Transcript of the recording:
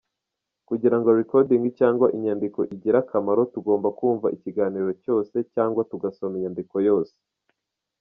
Kugirango recording cyangwa inyandiko igire akamaro, tugomba kumva ikiganiro cyose, cyangwa tugasoma inyandiko yose.